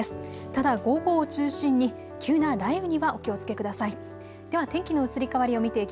ただ午後を中心に急な雷雨にはお気をつけください。